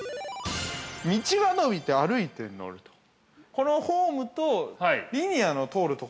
道が伸びて歩いて乗ると。